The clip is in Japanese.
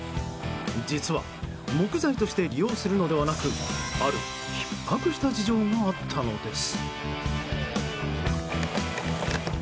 実は木材として利用するのではなくあるひっ迫した事情があったのです。